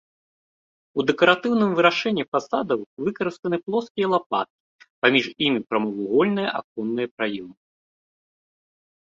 У дэкаратыўным вырашэнні фасадаў выкарыстаны плоскія лапаткі, паміж імі прамавугольныя аконныя праёмы.